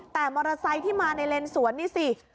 แต่มอเตอร์ไซค์ที่มาในเลนสวนนี่สิ